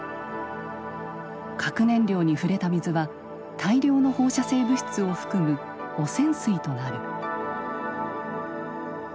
核燃料に触れた水は大量の放射性物質を含む汚染水となる。